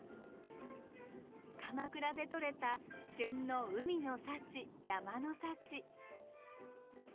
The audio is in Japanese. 鎌倉でとれた旬の海の幸山の幸。